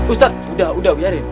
ustadz udah udah biarin